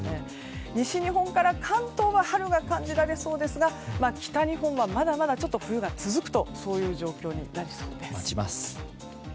西日本から関東は春が感じられそうですが北日本はまだまだ冬が続くという状況になりそうです。